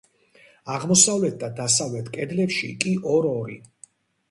აღმოსავლეთ და დასავლეთ კედლებში კი ორ-ორი.